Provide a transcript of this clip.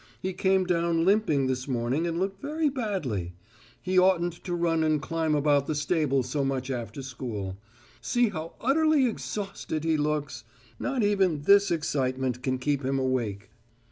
He came down limping this morning and looking very badly. He oughtn't to run and climb about the stable so much after school. See how utterly exhausted he looks! Not even this excitement can keep him awake."